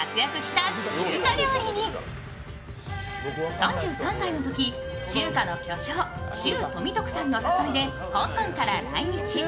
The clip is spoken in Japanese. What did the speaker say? ３３歳のとき、中華の巨匠周富徳さんの誘いで香港から来日。